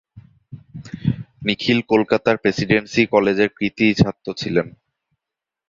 নিখিল কলকাতার প্রেসিডেন্সি কলেজের কৃতি ছাত্র ছিলেন।